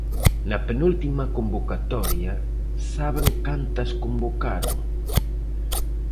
Na penúltima convocatoria ¿saben cantas convocaron?